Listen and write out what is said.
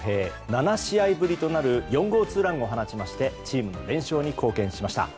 ７試合ぶりとなる４号ツーランを放ちましてチームの連勝に貢献しました。